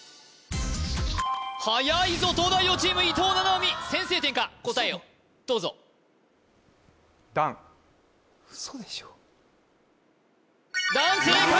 はやいぞ東大王チーム伊藤七海先制点か答えをどうぞウソでしょ「段」正解！